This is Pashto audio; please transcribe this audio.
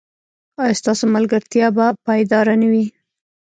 ایا ستاسو ملګرتیا به پایداره نه وي؟